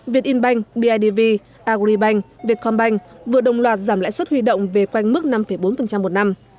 việt in banh bidv agribank vietcombank vừa đồng loạt giảm lãi suất huy động về quanh mức năm bốn một năm